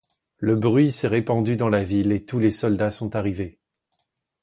Le bruit s'est répandu dans la ville et tous les soldats sont arrivés.